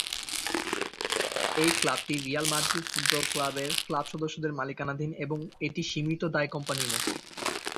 এই ক্লাবটি Real Madrid football ক্লাবের ক্লাব সদস্যদের মালিকানাধীন এবং এটি সীমিত দায় কোম্পানির মতোই।